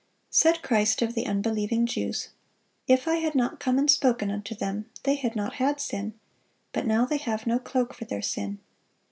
Said Christ of the unbelieving Jews, "If I had not come and spoken unto them, they had not had sin: but now they have no cloak for their sin."